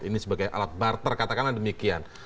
ini sebagai alat barter katakanlah demikian